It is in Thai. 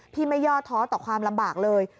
พี่ไม่ย่อท้อต่อความลำบากเลย